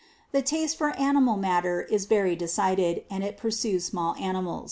Its taste for animal matter is very decided, and it pursues small animals.